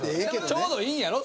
ちょうどいいんやろ？